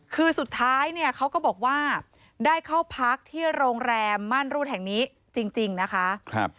คือสุดท้ายเนี่ยเขาก็บอกว่าได้เข้าพักที่โรงแรมมั่นรูดแห่งนี้จริงนะคะ